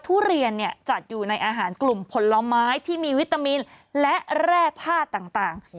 ทุเรียนจัดอยู่ในอาหารกลุ่มผลไม้ที่มีวิตามินและแร่ธาตุต่าง